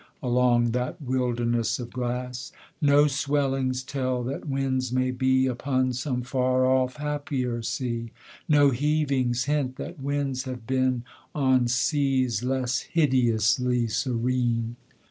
Along that wilderness of glass No swellings tell that winds may be Upon some far off happier sea No heavings hint that winds have been On seas less hideously serene.